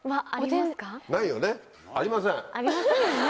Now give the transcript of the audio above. ありませんよね。